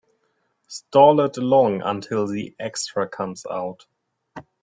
Stall it along until the extra comes out.